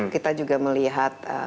kita juga melihat